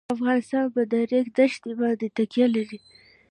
افغانستان په د ریګ دښتې باندې تکیه لري.